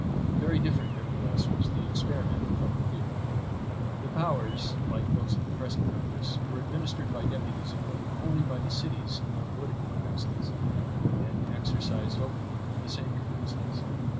Very different, nevertheless, was the experiment from the theory. The powers, like those of the present Congress, were administered by deputies appointed wholly by the cities in their political capacities; and exercised over them in the same capacities.